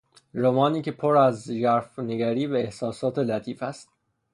رمانی که پر از ژرفنگری و احساسات لطیف است